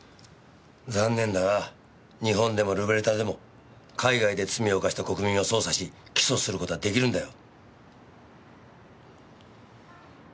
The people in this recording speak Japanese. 残念だが日本でもルベルタでも海外で罪を犯した国民を捜査し起訴する事は出来るんだよ。